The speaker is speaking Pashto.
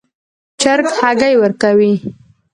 چرګ هګۍ ورکوي